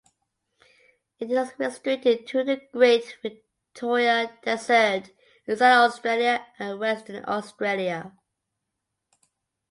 It is restricted to the Great Victoria Desert in South Australia and Western Australia.